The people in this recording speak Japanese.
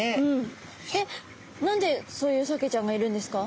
えっ何でそういうサケちゃんがいるんですか？